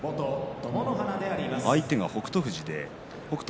相手が北勝富士で北勝